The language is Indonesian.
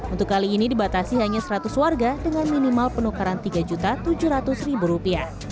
untuk kali ini dibatasi hanya seratus warga dengan minimal penukaran rp tiga tujuh ratus